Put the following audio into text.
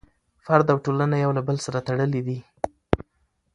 فرد او ټولنه یو له بل سره تړلي دي.